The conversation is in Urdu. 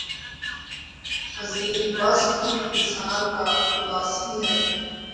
عظیم وصف ہی انسان کا اداسی ہے